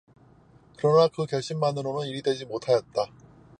그러나 그 결심만으로는 일이 되지 못하였다.